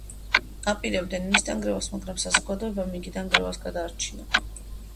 აპირებდნენ მის დანგრევას მაგრამ საზოგადოებამ იგი დანგრევას გადაარჩინა.